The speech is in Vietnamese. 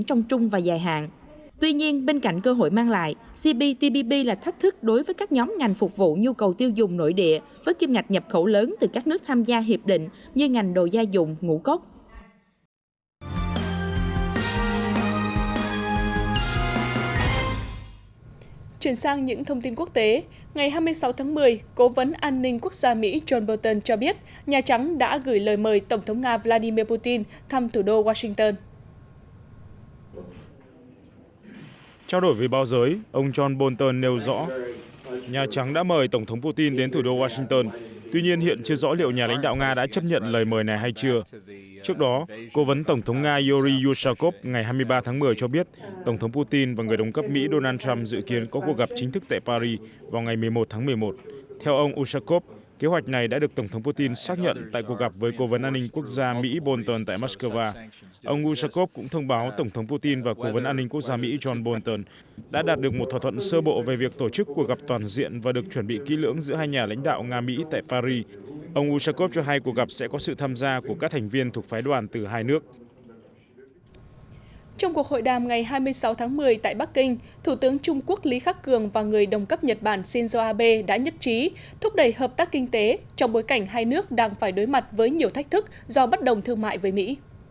trong cuộc hội đàm ngày hai mươi sáu tháng một mươi tại bắc kinh thủ tướng trung quốc lý khắc cường và người đồng cấp nhật bản shinzo abe đã nhất trí thúc đẩy hợp tác kinh tế trong bối cảnh hai nước đang phải đối mặt với nhiều thách thức do bất đồng thương mại với mỹ